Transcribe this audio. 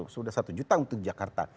sudah satu juta untuk jakarta